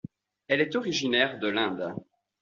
Elle est originaire de l'Inde.